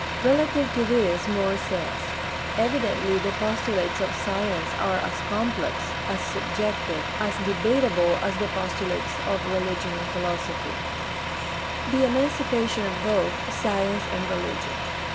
Relative to this More says: "Evidently the postulates of science are as complex, as subjective, and debatable as the postulates of religion and philosophy" {pp. cit., pp. 219 20). The emancipation of both science and religion.